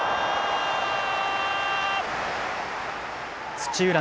土浦